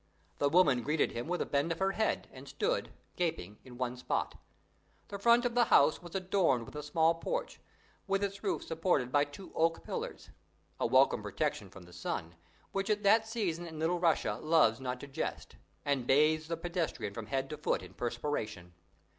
The woman greeted him with a bend of her head and stood, gaping, in one spot. The front of the house was adorned with a small porch, with its roof supported on two oak pillars a welcome protection from the sun, which at that season in Little Russia loves not to jest, and bathes the pedestrian from head to foot in perspiration.